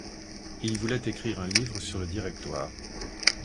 Il voulait écrire un livre sur le Directoire.